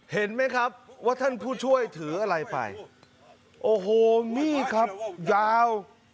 เห็นไหมครับว่าท่านผู้ช่วยถืออะไรไปโอ้โหมีดครับยาว